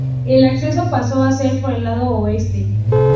El acceso pasó a ser por el lado oeste.